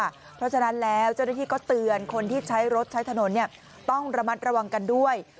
เพราะฉะนั้นแล้วเจ้าหน้าที่ก็เตือนคนที่ใช้รถใช้ถนนต้องระมัดระวังกันด้วย